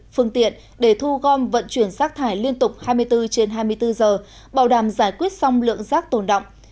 phương tiện để thu gom vận chuyển rác thải liên tục hai mươi bốn trên hai mươi bốn giờ bảo đảm giải quyết xong lượng rác tồn động